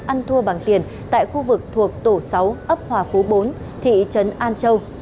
ăn thua bằng tiền tại khu vực thuộc tổ sáu ấp hòa phú bốn thị trấn an châu